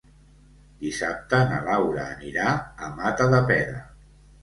Dissabte na Laura anirà a Matadepera.